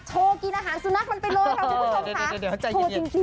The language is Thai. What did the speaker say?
โชว์กินอาหารสุนัขมันไปเลยกับพี่ผู้ชมทำ